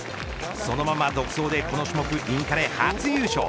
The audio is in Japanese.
そのまま独走でこの種目、インカレ初優勝。